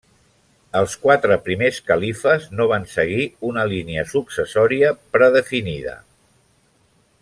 Els quatre primers califes no van seguir una línia successòria predefinida.